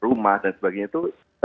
rumah dan sebagainya itu